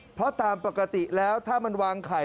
เพราะตามปกติแล้วถ้ามันวางไข่